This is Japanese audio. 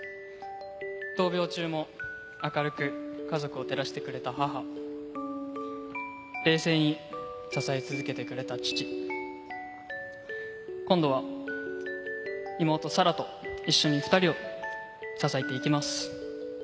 闘病中も明るく家族を照らしてくれた母、冷静に支え続けてくれた父、今度は、妹・紗良と一緒に２人を支えていきます。